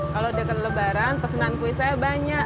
kalau deket lebaran kesenangan kuis saya banyak